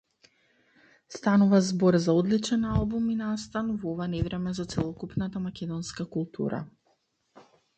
Станува збор за одличен албум и настан во ова невреме за целокупната македонска култура.